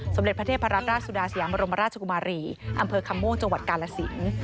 สำเร็จประเทศพระราชราชสุดาเซียมรมราชกุมารีอำเภอคัมโมงจกาลสิง